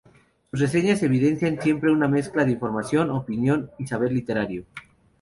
Sus reseñas evidencian siempre una mezcla de información, opinión y saber literario.